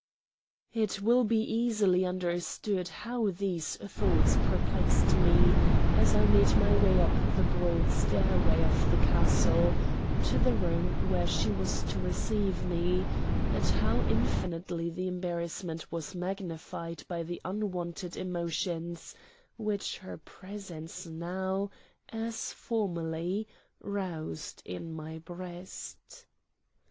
It will be easily understood how these thoughts perplexed me as I made my way up the broad stairway of the castle to the room where she was to receive me, and how infinitely the embarrassment was magnified by the unwonted emotions which her presence now, as formerly, roused in my breast.